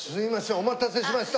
お待たせしました。